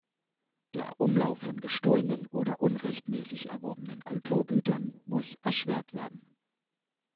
Der Umlauf von gestohlenen oder unrechtmäßig erworbenen Kulturgütern muss erschwert werden.